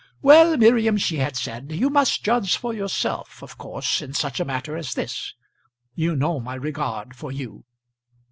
"Well, Miriam," she had said, "you must judge for yourself, of course, in such a matter as this. You know my regard for you."